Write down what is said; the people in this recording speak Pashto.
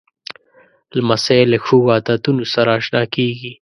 لمسی له ښو عادتونو سره اشنا کېږي.